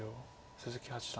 鈴木八段